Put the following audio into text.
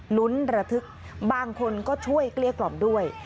ลุ้นระทึกบางคนก็ช่วยเกลี้ยกล่อมด้วย